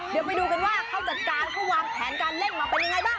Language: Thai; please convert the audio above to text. เดี๋ยวไปดูกันว่าเขาจัดการเขาวางแผนการเล่นมาเป็นยังไงบ้าง